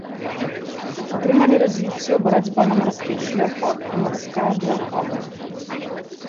Атрымалі развіццё барацьба на марскіх шляхах і марская блакада.